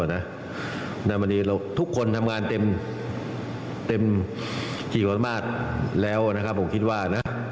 วันนี้ทุกคนทำงานเต็มกี่วันมากแล้วผมคิดว่า